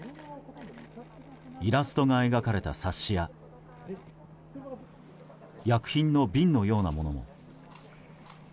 イラストが描かれた冊子や薬品の瓶のようなものも。